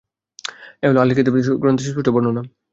এ হলো আহলি কিতাবদের গ্রন্থের সুস্পষ্ট বর্ণনা।